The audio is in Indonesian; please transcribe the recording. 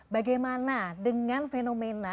bagaimana dengan fenomena